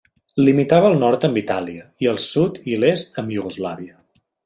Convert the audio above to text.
Limitava al nord amb Itàlia i al sud i a l'est amb Iugoslàvia.